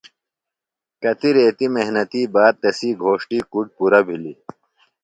کتیۡ ریتی محنتیۡ باد تسی گھوݜٹی کُڈ پُرہ بِھلیۡ۔